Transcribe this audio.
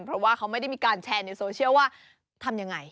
เพราะว่าเขาไม่ได้มีการแชร์ในโซเชียลว่าทำยังไง